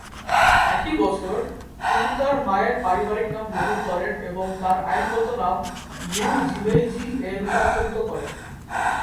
একই বছর, তিনি তার মায়ের পারিবারিক নাম গ্রহণ করেন এবং তার আইনগত নাম "লিউ জিমেইজি"-এ রূপান্তরিত করেন।